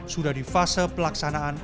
sudah di fase pelaksanaan